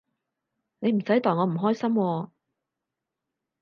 你唔使代我唔開心喎